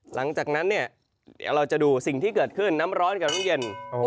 หลังจากนั้นเราจะดูสิ่งที่เกิดขึ้นน้ำร้อนกับน้ำเย็น